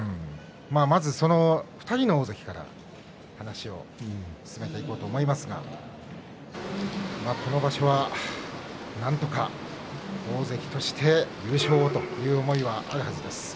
まずその２人の大関から話を進めていこうと思いますがこの場所は、なんとか大関として優勝をという思いはあるはずです。